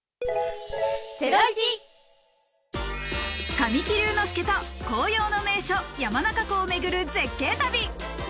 神木隆之介と紅葉の名所・山中湖をめぐる絶景旅。